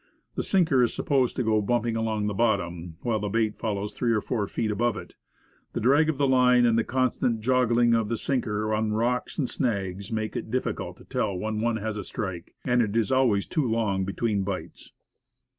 The sinker is supposed to go bumping along the bottom, while the bait follows three or four feet above it. The drag of the long line and the constant jogging of the sinker on rocks and snags, make it difficult to tell when one has a strike and it is always too long between bites.